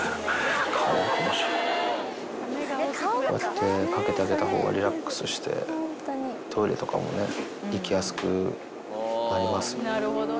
こうやってかけてあげたほうが、リラックスして、トイレとかもね、行きやすくなりますもんね。